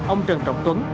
ông trần trọng tuấn